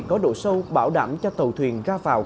có độ sâu bảo đảm cho tàu thuyền ra vào